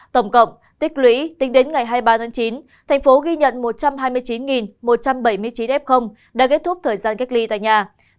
tổng cộng tích lũy tính đến ngày hai mươi ba tháng chín thành phố ghi nhận một trăm hai mươi chín một trăm bảy mươi chín f đã kết thúc thời gian cách ly tại nhà